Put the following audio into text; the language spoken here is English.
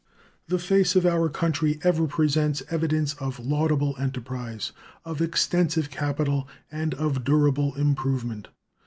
The face of our country ever presents evidence of laudable enterprise, of extensive capital, and of durable improvement.